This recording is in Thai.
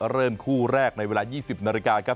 เริ่มคู่แรกในเวลา๒๐นาฬิกาครับ